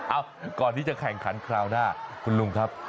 ก่อนที่จะแข่งขันคราวหน้าคุณลุงครับ